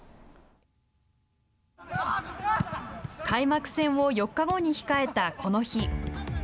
開幕戦を４日後に控えたこの日。